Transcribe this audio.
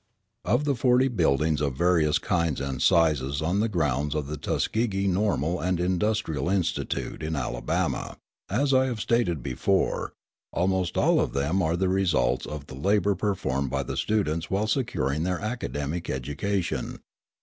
Of the forty buildings of various kinds and sizes on the grounds of the Tuskegee Normal and Industrial Institute, in Alabama, as I have stated before, almost all of them are the results of the labour performed by the students while securing their academic education.